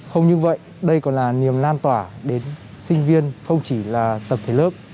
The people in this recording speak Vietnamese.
không như vậy đây còn là niềm lan tỏa đến sinh viên không chỉ là tập thể lớp